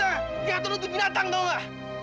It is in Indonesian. ternyata lo tuh binatang tau gak